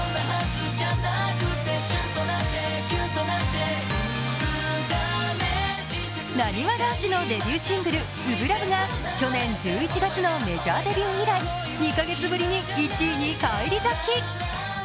なにわ男子のデビューシングル「初心ＬＯＶＥ」が去年１１月のメジャーデビュー以来２カ月ぶりに１位に返り咲き。